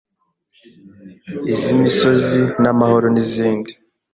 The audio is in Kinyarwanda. iz’imisoro n’amahoro n’izindi